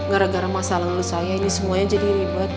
gara gara masalah lulus saya ini semuanya jadi ribet